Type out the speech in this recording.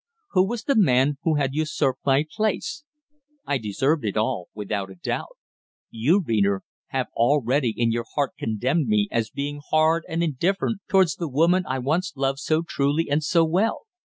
Who was the man who had usurped my place? I deserved it all, without a doubt. You, reader, have already in your heart condemned me as being hard and indifferent towards the woman I once loved so truly and so well.